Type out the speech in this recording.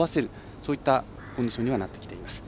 そういったコンディションになってきています。